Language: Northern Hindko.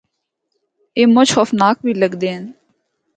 اے مُچ خوفناک بھی لگدے ہن۔